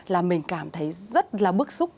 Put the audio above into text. là mình cảm thấy rất là bức xúc